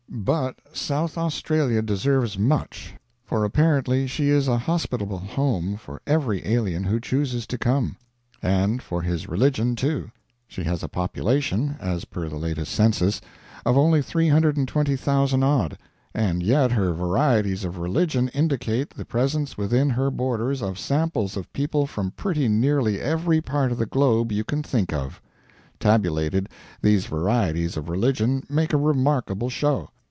But South Australia deserves much, for apparently she is a hospitable home for every alien who chooses to come; and for his religion, too. She has a population, as per the latest census, of only 320,000 odd, and yet her varieties of religion indicate the presence within her borders of samples of people from pretty nearly every part of the globe you can think of. Tabulated, these varieties of religion make a remarkable show.